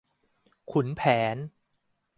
ขุนแผน